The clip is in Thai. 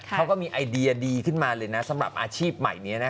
เขาก็มีไอเดียดีขึ้นมาเลยนะสำหรับอาชีพใหม่นี้นะ